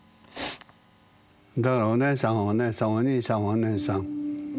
だからお姉さんはお姉さんお兄さんはお兄さん。